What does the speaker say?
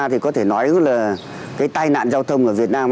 thì có thể nói là cái tai nạn giao thông ở việt nam